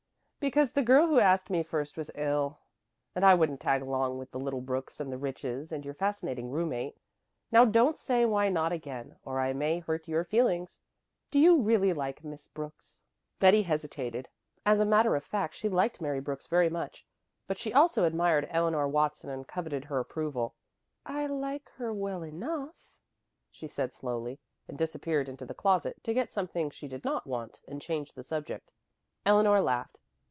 "Because the girl who asked me first was ill; and I wouldn't tag along with the little Brooks and the Riches and your fascinating roommate. Now don't say 'why not?' again, or I may hurt your feelings. Do you really like Miss Brooks?" Betty hesitated. As a matter of fact she liked Mary Brooks very much, but she also admired Eleanor Watson and coveted her approval. "I like her well enough," she said slowly, and disappeared into the closet to get something she did not want and change the subject. Eleanor laughed.